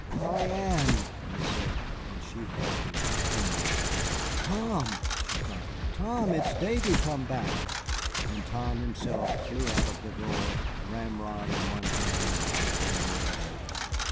"Polly Ann!" I said, and she halted, trembling. "Tom," she cried, "Tom, it's Davy come back;" and Tom himself flew out of the door, ramrod in one hand and rifle in the other.